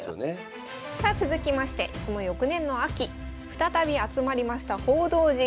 さあ続きましてその翌年の秋再び集まりました報道陣。